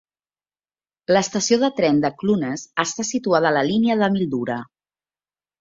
L'estació de tren de Clunes està situada a la línia de Mildura.